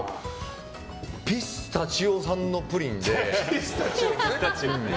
ピスタチオさんのプリンで。